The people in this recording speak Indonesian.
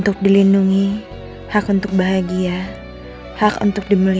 udah jam dua belas